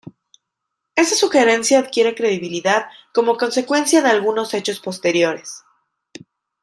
Esa sugerencia adquiere credibilidad como consecuencia de algunos hechos posteriores.